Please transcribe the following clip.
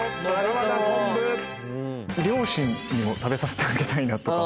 両親にも食べさせてあげたいなとか。